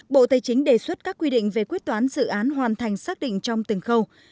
bộ tài chính đề xuất các quy định về quyết toán dự án hoàn thành xác định trong từng khâu